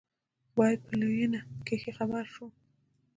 بيا په لوېينه کښې خبر سوم.